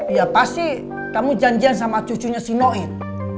ya pasti kamu janjian sama cucunya si noid